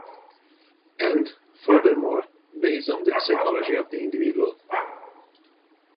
And, furthermore, based on the psychology of the individual.